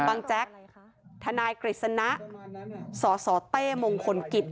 แจ๊กทนายกฤษณะสสเต้มงคลกิจ